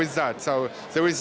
ini bukan masalah